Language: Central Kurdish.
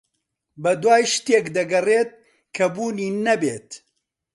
بەدوای شتێک دەگەڕێت کە بوونی نەبێت.